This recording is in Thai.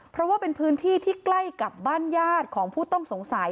เพราะว่าเป็นพื้นที่ที่ใกล้กับบ้านญาติของผู้ต้องสงสัย